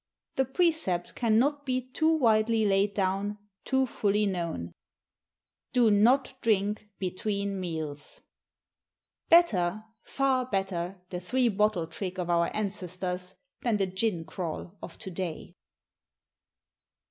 The precept cannot be too widely laid down, too fully known: Do not drink between Meals! Better, far better the three bottle trick of our ancestors, than the "gin crawl" of to day.